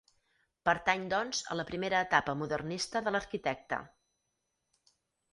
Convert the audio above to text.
Pertany doncs a la primera etapa modernista de l'arquitecte.